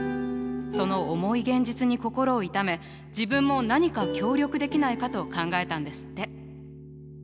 その重い現実に心を痛め自分も何か協力できないかと考えたんですって。